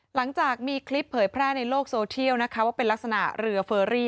หลังจากมีคลิปเผยแพร่ในโลกโซเทียลนะคะว่าเป็นลักษณะเรือเฟอรี่